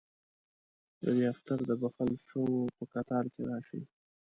ددې اختر دبخښل شووپه کتار کې راشي